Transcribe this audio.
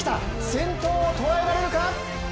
先頭を捉えられるか！